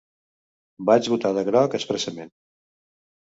Vaig votar de groc expressament.